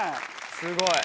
すごい。